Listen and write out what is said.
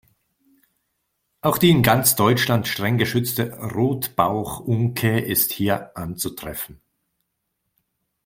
Auch die in ganz Deutschland streng geschützte Rotbauchunke ist hier anzutreffen.